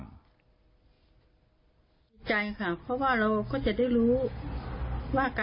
รับปากป่ะ